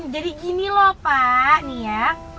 jadi gini loh pak nih ya